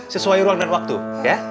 sesuai ruang dan waktu ya